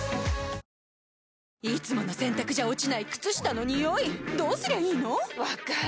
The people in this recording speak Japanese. いつもの洗たくじゃ落ちない靴下のニオイどうすりゃいいの⁉分かる。